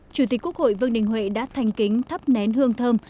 chủ tịch quốc hội vương đình huệ đã thành kính thắp nén hương thơm